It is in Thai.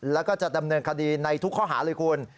แล้วก็จะดำเนินคดีในทุกข้อหาเลยคุณ